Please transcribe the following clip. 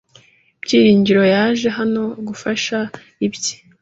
Byiringiro yaje hano gufasha ibye